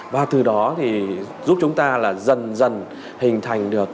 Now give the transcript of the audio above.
và từ đó thì giúp chúng ta là dần dần hình thành được